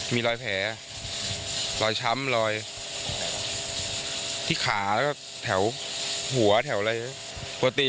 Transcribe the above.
มีรอยแผลรอยช้ำรอยที่ขาแล้วก็แถวหัวแถวอะไรปกติ